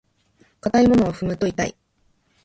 硬いものを踏むと痛い。